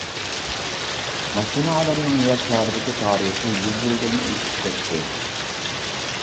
ماشىنا ئادەمنىڭ يەر شارىدىكى تارىخى يۈز يىلدىنمۇ ئېشىپ كەتتى.